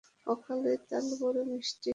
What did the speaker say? অকালের তাল বড় মিষ্টি।